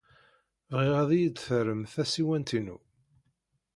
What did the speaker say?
Bɣiɣ ad iyi-d-terrem tasiwant-inu.